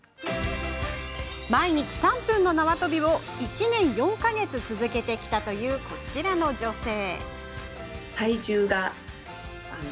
毎日３分の縄跳びを１年４か月続けてきたというこちらの女性。